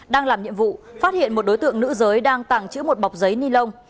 đang làm nhiệm vụ phát hiện một đối tượng nữ giới đang tàng trữ một bọc giấy ni lông